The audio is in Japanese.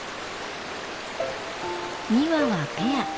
２羽はペア。